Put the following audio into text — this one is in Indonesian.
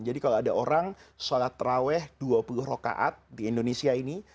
jadi kalau ada orang sholat raweh dua puluh rokaat di indonesia ini